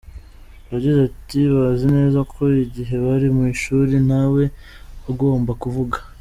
Yagize ati “Bazi neza ko igihe bari mu ishuri ntawe ugomba kuvuga.